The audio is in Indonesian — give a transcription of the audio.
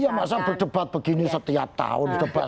iya masa berdebat begini setiap tahun